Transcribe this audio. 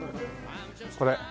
これ。